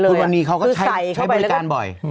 เมื่อกรรมพนี่เขาก็ใช้บริการเยอะ